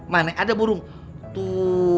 mana ada burung tuh tuh tuh